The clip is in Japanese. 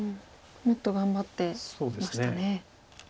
もっと頑張っていきましたね。